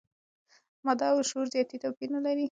ماده او شعور ذاتي توپیر نه لري.